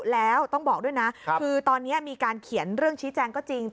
แล้วต้องบอกด้วยนะคือตอนนี้มีการเขียนเรื่องชี้แจงก็จริง